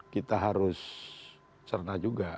kita harus cerna juga